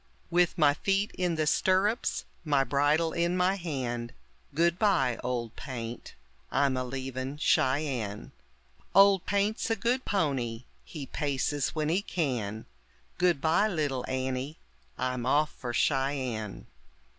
With my feet in the stirrups, my bridle in my hand; Goodbye, Old Paint, I'm a leavin' Cheyenne. Old Paint's a good pony, he paces when he can; Goodbye, little Annie, I'm off for Cheyenne.